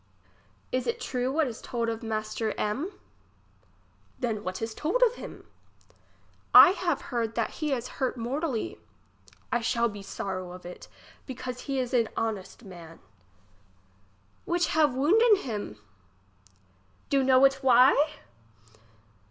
It is true what is told of master M ? Then what is told of him ? I have heard that he is hurt mortally. I shall be sowow of it, because he is a honestman. Which have wounden him ? Do know it why